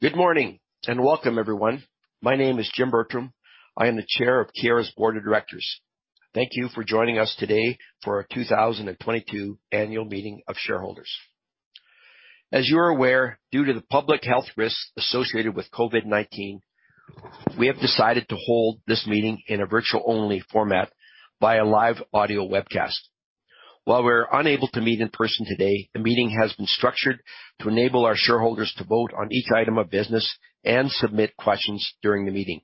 Good morning, and welcome everyone. My name is Jim Bertram. I am the Chair of Keyera's Board of Directors. Thank you for joining us today for our 2022 Annual Meeting of Shareholders. As you are aware, due to the public health risks associated with COVID-19, we have decided to hold this meeting in a virtual only format via live audio webcast. While we're unable to meet in person today, the meeting has been structured to enable our shareholders to vote on each item of business and submit questions during the meeting.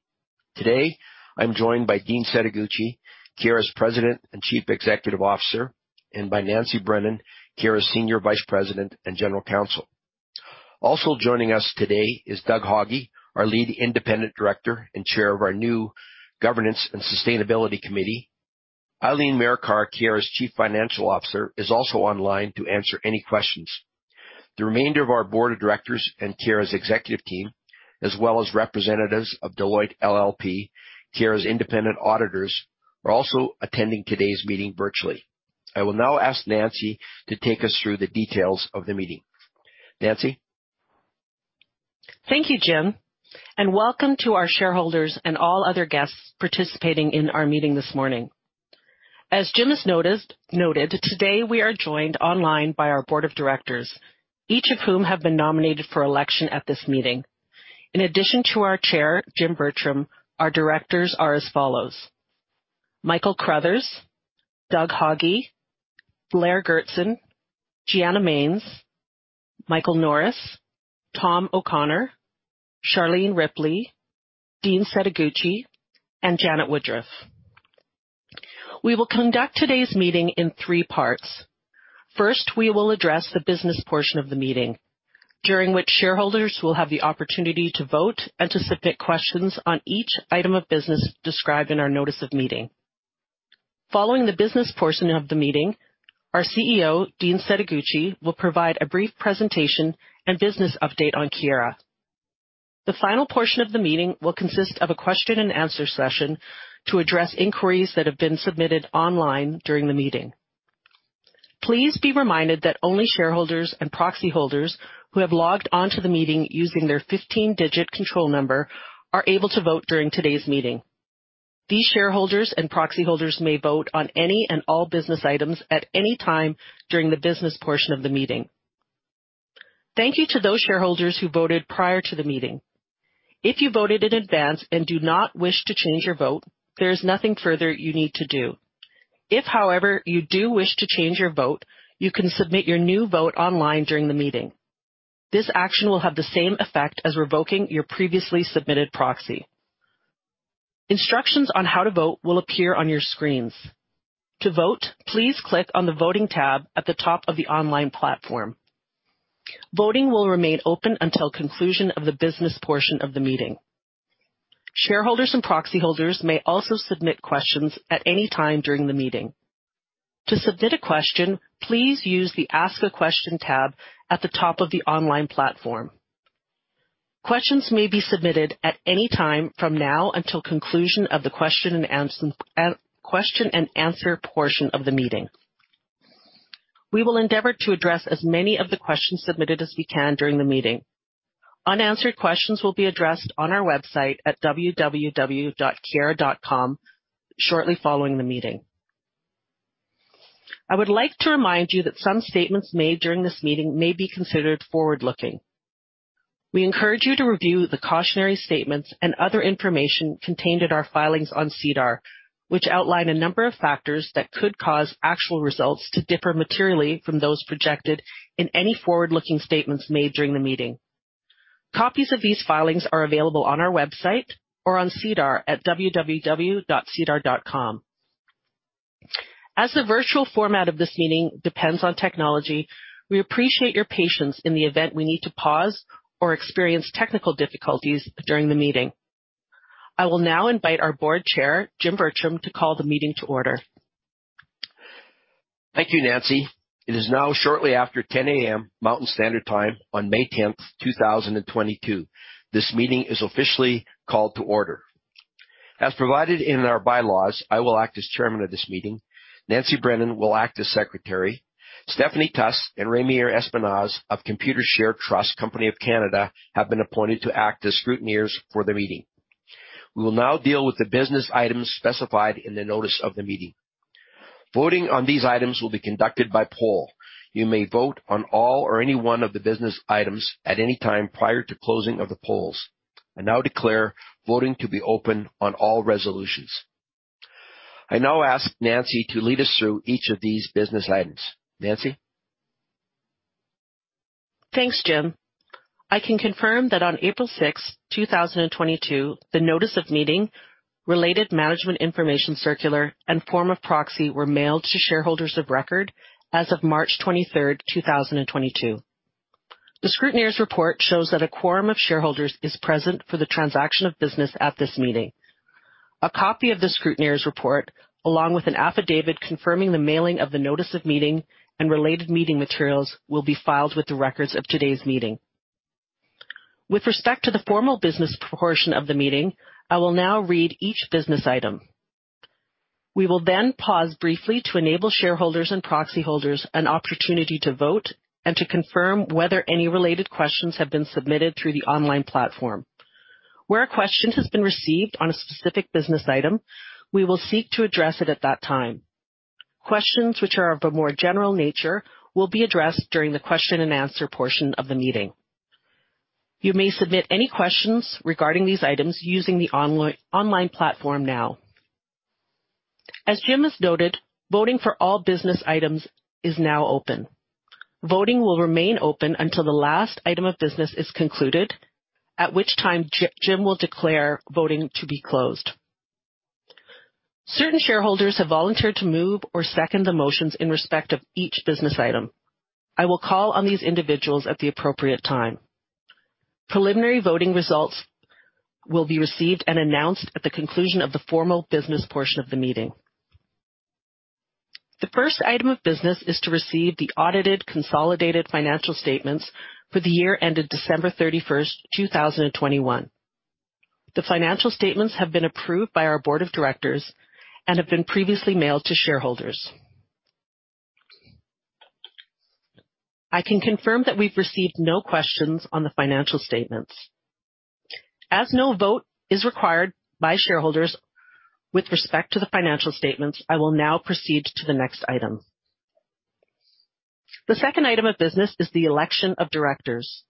Today, I'm joined by Dean Setoguchi, Keyera's President and Chief Executive Officer, and by Nancy Brennan, Keyera's Senior Vice President and General Counsel. Also joining us today is Douglas Haughey, our Lead Independent Director and Chair of our New Governance and Sustainability Committee. Eileen Marikar, Keyera's Chief Financial Officer, is also online to answer any questions. The remainder of our Board of Directors and Keyera's executive team, as well as representatives of Deloitte LLP, Keyera's independent auditors, are also attending today's meeting virtually. I will now ask Nancy to take us through the details of the meeting. Nancy. Thank you, Jim, and welcome to our shareholders and all other guests participating in our meeting this morning. As Jim has noted, today we are joined online by our Board of Directors, each of whom have been nominated for election at this meeting. In addition to our chair, Jim Bertram, our directors are as follows: Michael Crothers, Douglas Haughey, Blair Goertzen, Gianna Manes, Michael Norris, Tom O'Connor, Charlene Ripley, Dean Setoguchi, and Janet Woodruff. We will conduct today's meeting in three parts. First, we will address the business portion of the meeting, during which shareholders will have the opportunity to vote and to submit questions on each item of business described in our notice of meeting. Following the business portion of the meeting, our CEO, Dean Setoguchi, will provide a brief presentation and business update on Keyera. The final portion of the meeting will consist of a question-and-answer session to address inquiries that have been submitted online during the meeting. Please be reminded that only shareholders and proxy holders who have logged on to the meeting using their 15-digit control number are able to vote during today's meeting. These shareholders and proxy holders may vote on any and all business items at any time during the business portion of the meeting. Thank you to those shareholders who voted prior to the meeting. If you voted in advance and do not wish to change your vote, there is nothing further you need to do. If, however, you do wish to change your vote, you can submit your new vote online during the meeting. This action will have the same effect as revoking your previously submitted proxy. Instructions on how to vote will appear on your screens. To vote, please click on the Voting tab at the top of the online platform. Voting will remain open until conclusion of the business portion of the meeting. Shareholders and proxy holders may also submit questions at any time during the meeting. To submit a question, please use the Ask a Question tab at the top of the online platform. Questions may be submitted at any time from now until conclusion of the question-and-answer portion of the meeting. We will endeavor to address as many of the questions submitted as we can during the meeting. Unanswered questions will be addressed on our website at www.keyera.com shortly following the meeting. I would like to remind you that some statements made during this meeting may be considered forward-looking. We encourage you to review the cautionary statements and other information contained in our filings on SEDAR, which outline a number of factors that could cause actual results to differ materially from those projected in any forward-looking statements made during the meeting. Copies of these filings are available on our website or on SEDAR at www.sedar.com. As the virtual format of this meeting depends on technology, we appreciate your patience in the event we need to pause or experience technical difficulties during the meeting. I will now invite our Board Chair, Jim Bertram, to call the meeting to order. Thank you, Nancy. It is now shortly after 10 A.M. Mountain Standard Time on May 10th, 2022. This meeting is officially called to order. As provided in our bylaws, I will act as chairman of this meeting. Nancy Brennan will act as secretary. Stephanie Tuss and Ramier Espinas of Computershare Trust Company of Canada have been appointed to act as scrutineers for the meeting. We will now deal with the business items specified in the notice of the meeting. Voting on these items will be conducted by poll. You may vote on all or any one of the business items at any time prior to closing of the polls. I now declare voting to be open on all resolutions. I now ask Nancy to lead us through each of these business items. Nancy. Thanks, Jim. I can confirm that on April 6th, 2022, the notice of meeting, related management information circular, and form of proxy were mailed to shareholders of record as of March 23rd, 2022. The scrutineer's report shows that a quorum of shareholders is present for the transaction of business at this meeting. A copy of the scrutineer's report, along with an affidavit confirming the mailing of the notice of meeting and related meeting materials, will be filed with the records of today's meeting. With respect to the formal business portion of the meeting, I will now read each business item. We will then pause briefly to enable shareholders and proxy holders an opportunity to vote and to confirm whether any related questions have been submitted through the online platform. Where a question has been received on a specific business item, we will seek to address it at that time. Questions which are of a more general nature will be addressed during the question-and-answer portion of the meeting. You may submit any questions regarding these items using the online platform now. As Jim has noted, voting for all business items is now open. Voting will remain open until the last item of business is concluded, at which time Jim will declare voting to be closed. Certain shareholders have volunteered to move or second the motions in respect of each business item. I will call on these individuals at the appropriate time. Preliminary voting results will be received and announced at the conclusion of the formal business portion of the meeting. The first item of business is to receive the audited consolidated financial statements for the year ended December 31st, 2021. The financial statements have been approved by our Board of Directors and have been previously mailed to shareholders. I can confirm that we've received no questions on the financial statements. As no vote is required by shareholders with respect to the financial statements, I will now proceed to the next item. The second item of business is the election of directors.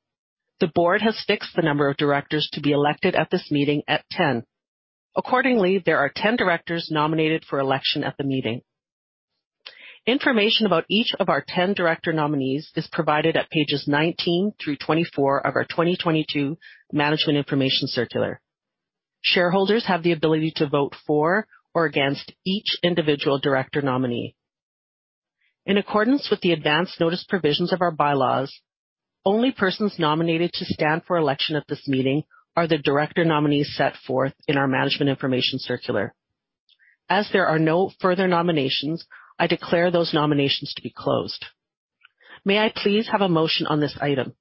The Board has fixed the number of directors to be elected at this meeting at 10. Accordingly, there are 10 directors nominated for election at the meeting. Information about each of our 10 director nominees is provided at pages 19 through 24 of our 2022 management information circular. Shareholders have the ability to vote for or against each individual director nominee. In accordance with the advance notice provisions of our bylaws, only persons nominated to stand for election at this meeting are the director nominees set forth in our management information circular. As there are no further nominations, I declare those nominations to be closed. May I please have a motion on this item.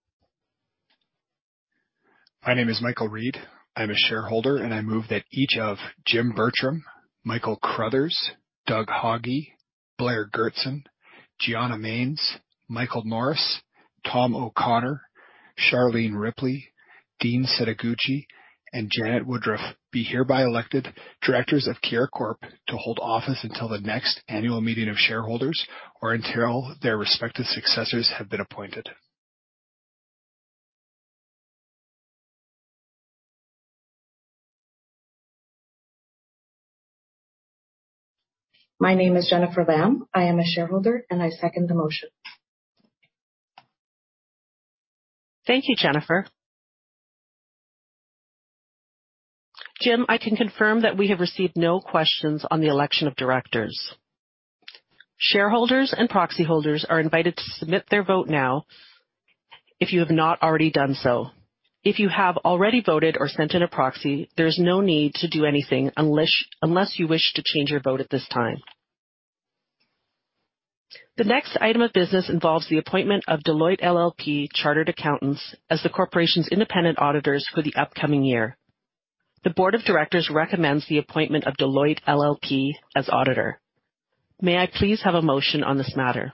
My name is Michael Reed. I'm a shareholder, and I move that each of Jim Bertram, Michael Crothers, Doug Haughey, Blair Goertzen, Gianna Manes, Michael Norris, Tom O'Connor, Charlene Ripley, Dean Setoguchi, and Janet Woodruff be hereby elected Directors of Keyera Corp. to hold office until the next annual meeting of shareholders or until their respective successors have been appointed. My name is Jennifer Lam. I am a shareholder, and I second the motion. Thank you, Jennifer. Jim, I can confirm that we have received no questions on the election of directors. Shareholders and proxy holders are invited to submit their vote now if you have not already done so. If you have already voted or sent in a proxy, there's no need to do anything unless you wish to change your vote at this time. The next item of business involves the appointment of Deloitte LLP as the corporation's independent auditors for the upcoming year. The Board of Directors recommends the appointment of Deloitte LLP as auditor. May I please have a motion on this matter.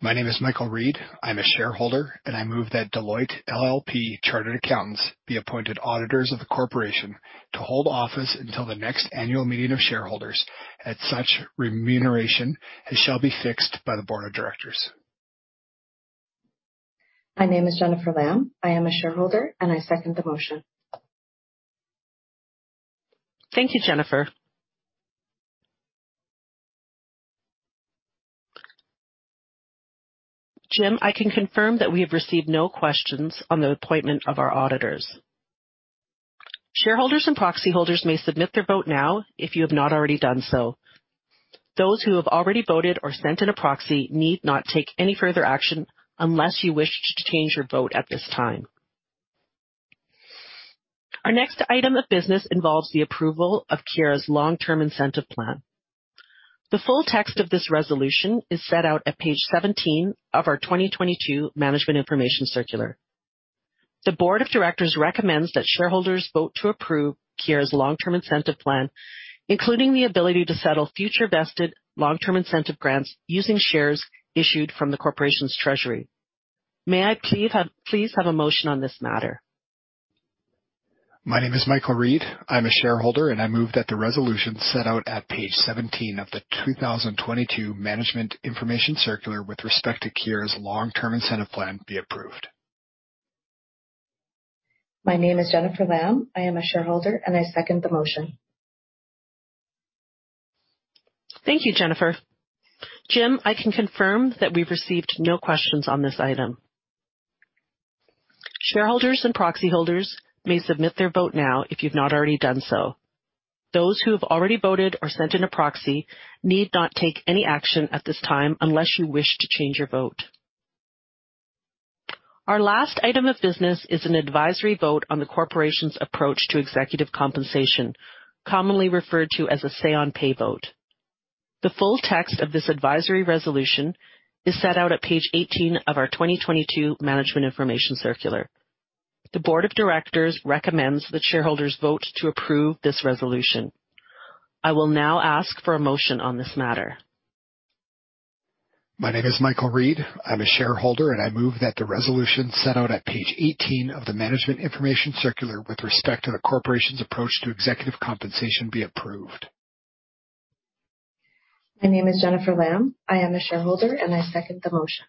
My name is Michael Reed. I'm a shareholder, and I move that Deloitte LLP Chartered Accountants be appointed auditors of the corporation to hold office until the next annual meeting of shareholders at such remuneration as shall be fixed by the Board of Directors. My name is Jennifer Lam. I am a shareholder, and I second the motion. Thank you, Jennifer. Jim, I can confirm that we have received no questions on the appointment of our auditors. Shareholders and proxy holders may submit their vote now if you have not already done so. Those who have already voted or sent in a proxy need not take any further action unless you wish to change your vote at this time. Our next item of business involves the approval of Keyera's long-term incentive plan. The full text of this resolution is set out at page 17 of our 2022 management information circular. The Board of Directors recommends that shareholders vote to approve Keyera's long-term incentive plan, including the ability to settle future vested long-term incentive grants using shares issued from the corporation's treasury. May I please have a motion on this matter. My name is Michael Reed. I am a shareholder, and I move that the resolution set out at page 17 of the 2022 management information circular with respect to Keyera's long-term incentive plan be approved. My name is Jennifer Lam. I am a shareholder, and I second the motion. Thank you, Jennifer. Jim, I can confirm that we've received no questions on this item. Shareholders and proxy holders may submit their vote now if you've not already done so. Those who have already voted or sent in a proxy need not take any action at this time unless you wish to change your vote. Our last item of business is an advisory vote on the corporation's approach to executive compensation, commonly referred to as a say on pay vote. The full text of this advisory resolution is set out at page 18 of our 2022 management information circular. The Board of Directors recommends that shareholders vote to approve this resolution. I will now ask for a motion on this matter. My name is Michael Reed. I'm a shareholder, and I move that the resolution set out at page 18 of the management information circular with respect to the corporation's approach to executive compensation be approved. My name is Jennifer Lam. I am a shareholder, and I second the motion.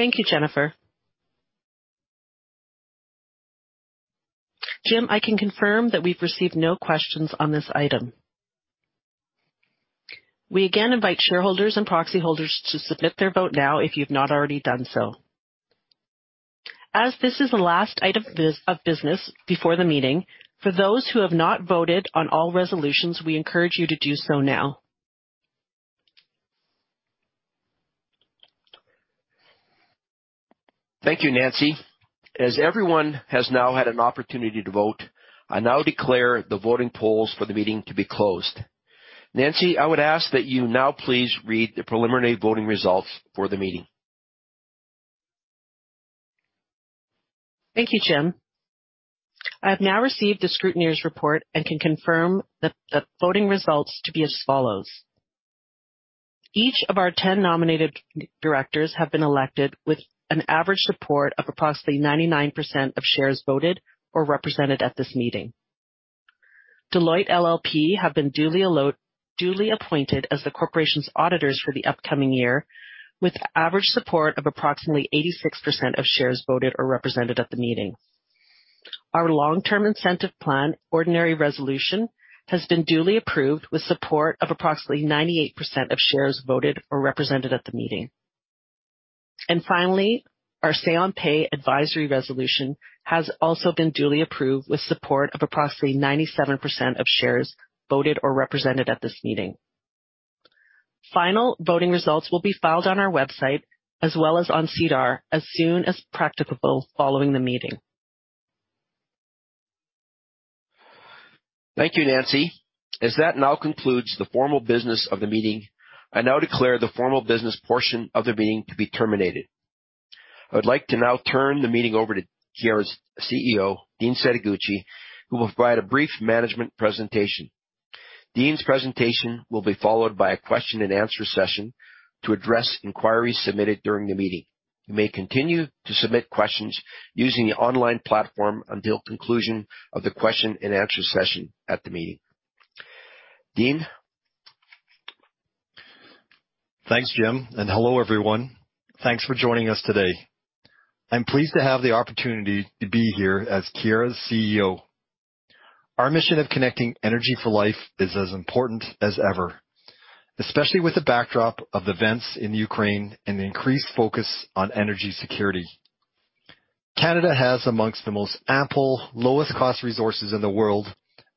Thank you, Jennifer. Jim, I can confirm that we've received no questions on this item. We again invite shareholders and proxy holders to submit their vote now if you've not already done so. As this is the last item of business before the meeting, for those who have not voted on all resolutions, we encourage you to do so now. Thank you, Nancy. As everyone has now had an opportunity to vote, I now declare the voting polls for the meeting to be closed. Nancy, I would ask that you now please read the preliminary voting results for the meeting. Thank you, Jim. I have now received the scrutineer's report and can confirm the voting results to be as follows. Each of our 10 nominated Directors have been elected with an average support of approximately 99% of shares voted or represented at this meeting. Deloitte LLP have been duly appointed as the corporation's auditors for the upcoming year with average support of approximately 86% of shares voted or represented at the meeting. Our long-term incentive plan ordinary resolution has been duly approved with support of approximately 98% of shares voted or represented at the meeting. Finally, our say on pay advisory resolution has also been duly approved with support of approximately 97% of shares voted or represented at this meeting. Final voting results will be filed on our website as well as on SEDAR as soon as practicable following the meeting. Thank you, Nancy. As that now concludes the formal business of the meeting, I now declare the formal business portion of the meeting to be terminated. I would like to now turn the meeting over to Keyera's CEO, Dean Setoguchi, who will provide a brief management presentation. Dean's presentation will be followed by a question-and-answer session to address inquiries submitted during the meeting. You may continue to submit questions using the online platform until conclusion of the question-and-answer session at the meeting. Dean. Thanks, Jim, and hello, everyone. Thanks for joining us today. I'm pleased to have the opportunity to be here as Keyera's CEO. Our mission of connecting energy for life is as important as ever, especially with the backdrop of events in Ukraine and the increased focus on energy security. Canada has among the most ample, lowest cost resources in the world,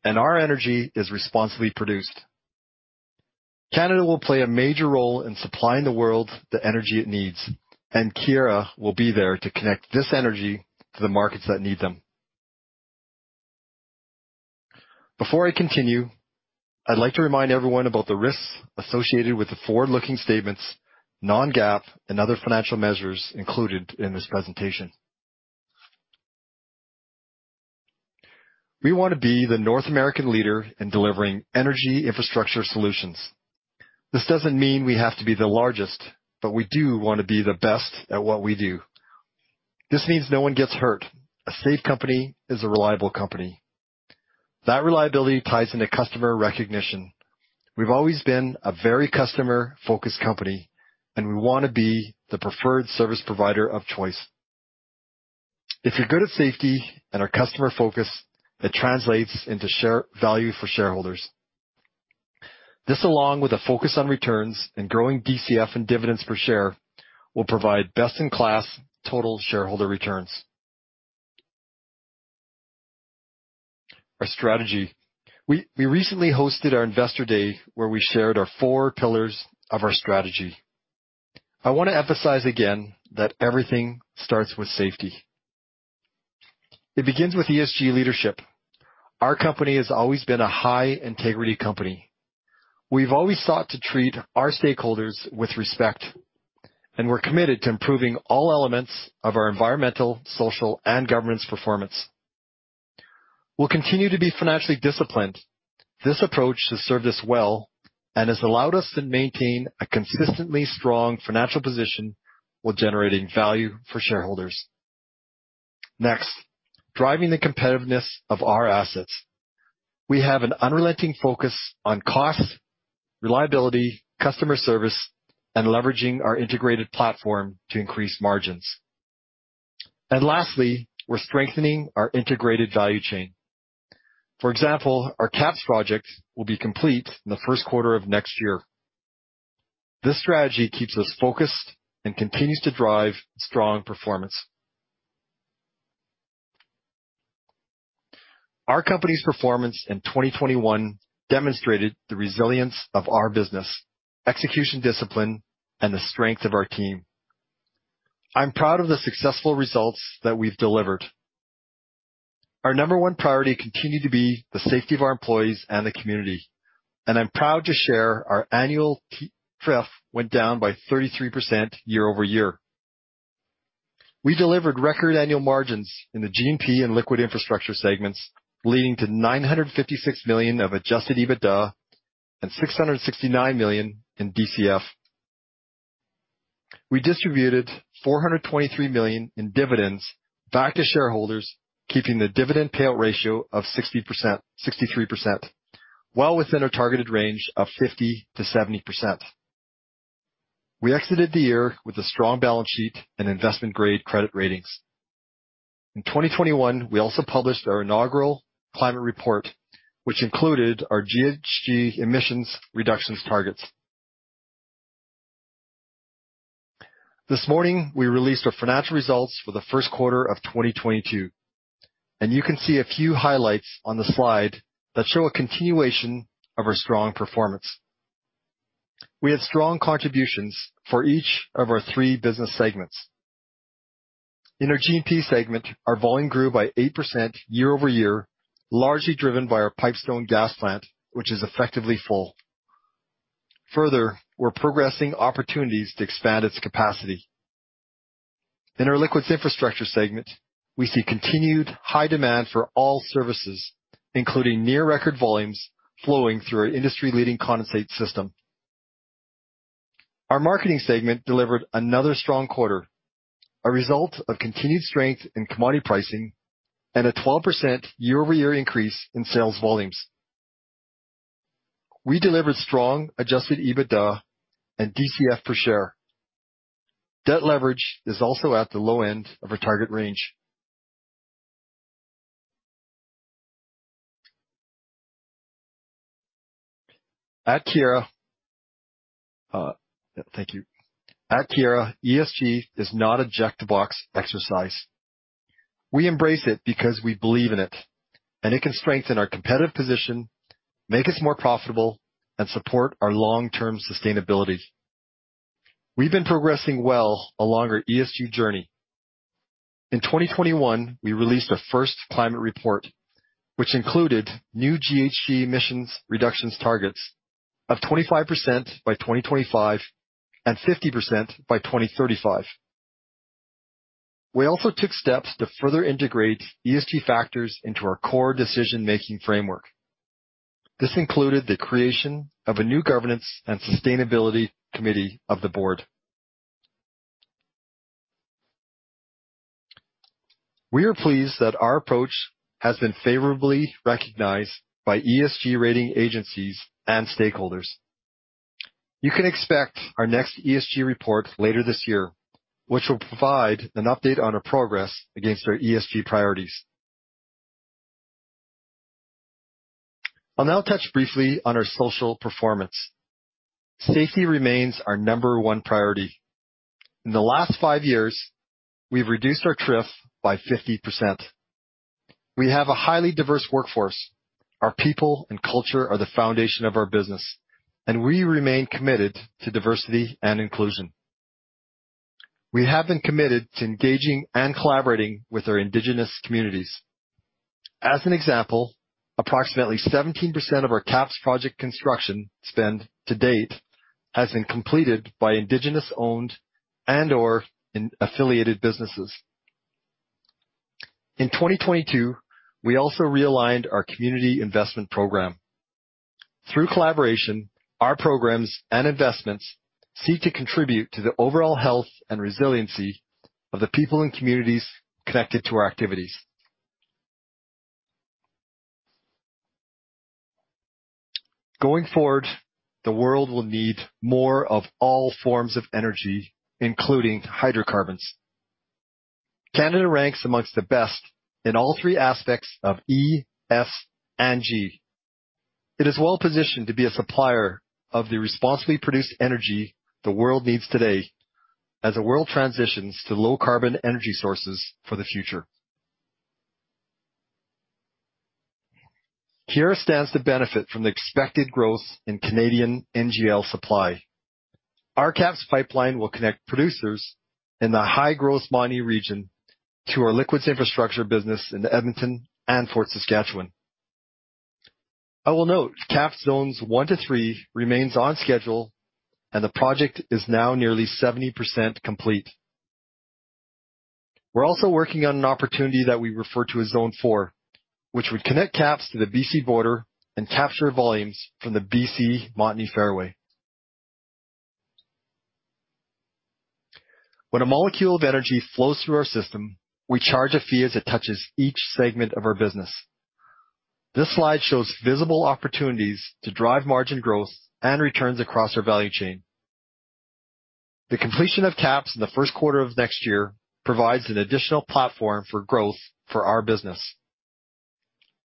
and our energy is responsibly produced. Canada will play a major role in supplying the world the energy it needs, and Keyera will be there to connect this energy to the markets that need them. Before I continue, I'd like to remind everyone about the risks associated with the forward-looking statements, non-GAAP and other financial measures included in this presentation. We want to be the North American leader in delivering energy infrastructure solutions. This doesn't mean we have to be the largest, but we do want to be the best at what we do. This means no one gets hurt. A safe company is a reliable company. That reliability ties into customer recognition. We've always been a very customer-focused company, and we want to be the preferred service provider of choice. If you're good at safety and are customer-focused, that translates into share value for shareholders. This, along with a focus on returns and growing DCF and dividends per share, will provide best-in-class total shareholder returns. Our strategy. We recently hosted our Investor Day where we shared our four pillars of our strategy. I want to emphasize again that everything starts with safety. It begins with ESG leadership. Our company has always been a high-integrity company. We've always sought to treat our stakeholders with respect, and we're committed to improving all elements of our environmental, social, and governance performance. We'll continue to be financially disciplined. This approach has served us well and has allowed us to maintain a consistently strong financial position while generating value for shareholders. Next, driving the competitiveness of our assets. We have an unrelenting focus on cost, reliability, customer service, and leveraging our integrated platform to increase margins. Lastly, we're strengthening our integrated value chain. For example, our KAPS project will be complete in the first quarter of next year. This strategy keeps us focused and continues to drive strong performance. Our company's performance in 2021 demonstrated the resilience of our business, execution discipline, and the strength of our team. I'm proud of the successful results that we've delivered. Our number one priority continued to be the safety of our employees and the community, and I'm proud to share our annual TRIF went down by 33% year-over-year. We delivered record annual margins in the G&P and Liquids Infrastructure segments, leading to 956 million of adjusted EBITDA and 669 million in DCF. We distributed 423 million in dividends back to shareholders, keeping the dividend payout ratio of 60%-63%, well within our targeted range of 50%-70%. We exited the year with a strong balance sheet and investment-grade credit ratings. In 2021, we also published our inaugural climate report, which included our GHG emissions reductions targets. This morning, we released our financial results for the first quarter of 2022, and you can see a few highlights on the slide that show a continuation of our strong performance. We had strong contributions for each of our three business segments. In our G&P segment, our volume grew by 8% year-over-year, largely driven by our Pipestone gas plant, which is effectively full. Further, we're progressing opportunities to expand its capacity. In our Liquids Infrastructure segment, we see continued high demand for all services, including near-record volumes flowing through our industry-leading condensate system. Our marketing segment delivered another strong quarter, a result of continued strength in commodity pricing and a 12% year-over-year increase in sales volumes. We delivered strong adjusted EBITDA and DCF per share. Debt leverage is also at the low end of our target range. At Keyera, thank you. At Keyera, ESG is not a check-the-box exercise. We embrace it because we believe in it, and it can strengthen our competitive position, make us more profitable, and support our long-term sustainability. We've been progressing well along our ESG journey. In 2021, we released our first climate report, which included new GHG emissions reductions targets of 25% by 2025 and 50% by 2035. We also took steps to further integrate ESG factors into our core decision-making framework. This included the creation of a new governance and sustainability committee of the Board. We are pleased that our approach has been favorably recognized by ESG rating agencies and stakeholders. You can expect our next ESG report later this year, which will provide an update on our progress against our ESG priorities. I'll now touch briefly on our social performance. Safety remains our number one priority. In the last five years, we've reduced our TRIF by 50%. We have a highly diverse workforce. Our people and culture are the foundation of our business, and we remain committed to diversity and inclusion. We have been committed to engaging and collaborating with our Indigenous communities. As an example, approximately 17% of our KAPS project construction spend to date has been completed by Indigenous-owned and/or Indigenous-affiliated businesses. In 2022, we also realigned our community investment program. Through collaboration, our programs and investments seek to contribute to the overall health and resiliency of the people and communities connected to our activities. Going forward, the world will need more of all forms of energy, including hydrocarbons. Canada ranks amongst the best in all three aspects of E, S, and G. It is well-positioned to be a supplier of the responsibly produced energy the world needs today as the world transitions to low-carbon energy sources for the future. Keyera stands to benefit from the expected growth in Canadian NGL supply. Our KAPS pipeline will connect producers in the high-growth Montney region to our liquids infrastructure business in Edmonton and Fort Saskatchewan. I will note KAPS Zones 1 to 3 remains on schedule and the project is now nearly 70% complete. We're also working on an opportunity that we refer to as Zone 4, which would connect KAPS to the BC border and capture volumes from the BC Montney Fairway. When a molecule of energy flows through our system, we charge a fee as it touches each segment of our business. This slide shows visible opportunities to drive margin growth and returns across our value chain. The completion of KAPS in the first quarter of next year provides an additional platform for growth for our business.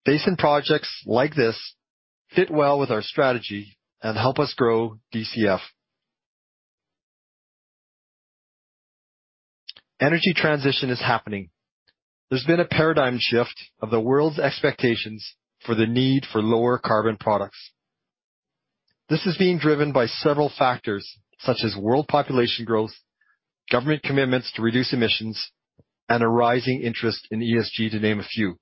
Basin projects like this fit well with our strategy and help us grow DCF. Energy transition is happening. There's been a paradigm shift of the world's expectations for the need for lower carbon products. This is being driven by several factors such as world population growth, government commitments to reduce emissions, and a rising interest in ESG, to name a few.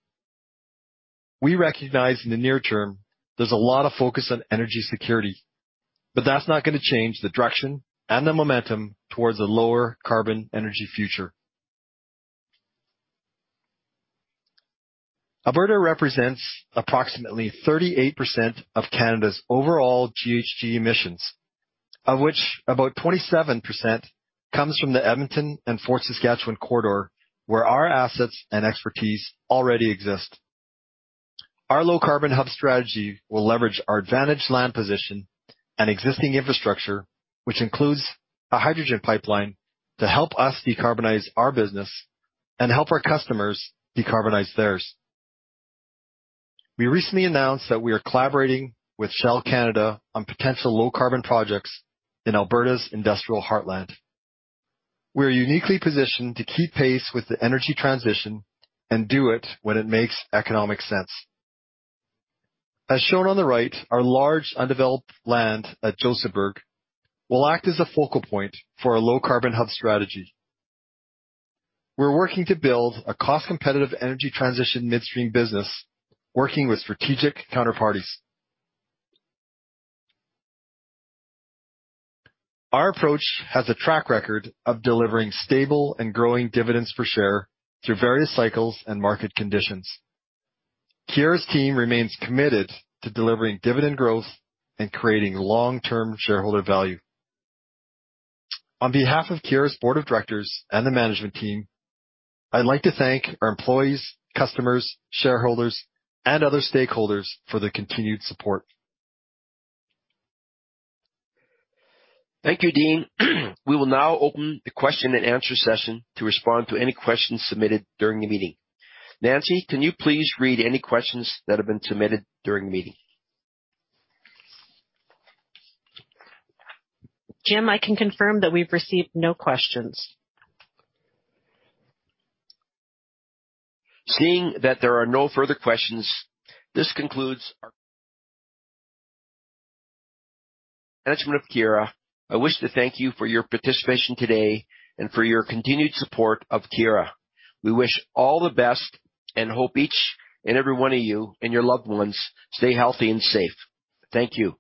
We recognize in the near term there's a lot of focus on energy security, but that's not gonna change the direction and the momentum towards a lower carbon energy future. Alberta represents approximately 38% of Canada's overall GHG emissions, of which about 27% comes from the Edmonton and Fort Saskatchewan corridor, where our assets and expertise already exist. Our low-carbon hub strategy will leverage our advantaged land position and existing infrastructure, which includes a hydrogen pipeline, to help us decarbonize our business and help our customers decarbonize theirs. We recently announced that we are collaborating with Shell Canada on potential low-carbon projects in Alberta's industrial heartland. We are uniquely positioned to keep pace with the energy transition and do it when it makes economic sense. As shown on the right, our large undeveloped land at Josephburg will act as a focal point for our low-carbon hub strategy. We're working to build a cost-competitive energy transition midstream business working with strategic counterparties. Our approach has a track record of delivering stable and growing dividends per share through various cycles and market conditions. Keyera's team remains committed to delivering dividend growth and creating long-term shareholder value. On behalf of Keyera's Board of Directors and the management team, I'd like to thank our employees, customers, shareholders, and other stakeholders for their continued support. Thank you, Dean. We will now open the question-and-answer session to respond to any questions submitted during the meeting. Nancy, can you please read any questions that have been submitted during the meeting? Jim, I can confirm that we've received no questions. Seeing that there are no further questions, this concludes our Management of Keyera. I wish to thank you for your participation today and for your continued support of Keyera. We wish all the best and hope each and every one of you and your loved ones stay healthy and safe. Thank you.